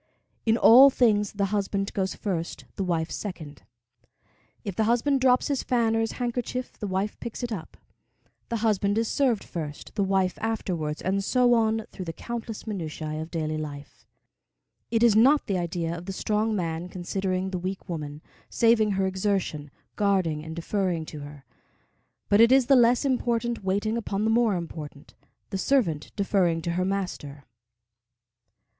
In all things the husband goes first, the wife second. If the husband drops his fan or his handkerchief the wife picks it up. The husband is served first, the wife afterwards, and so on through the countless minutiæ of daily life. It is not the idea of the strong man considering the weak woman, saving her exertion, guarding and deferring to her; but it is the less important waiting upon the more important, the servant deferring to her master.